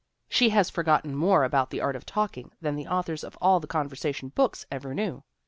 She has forgotten more about the art of talking than the authors of all the conver sation books ever knew.